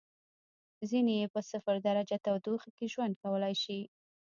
ځینې یې په صفر درجه تودوخې کې ژوند کولای شي.